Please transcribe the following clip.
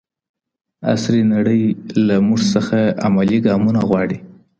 عصري نړۍ له موږ څخه عملي ګامونه غواړي.